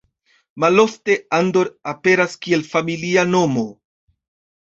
Malofte Andor aperas kiel familia nomo.